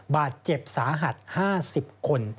บาดเจ็บสาหัส๕๐คน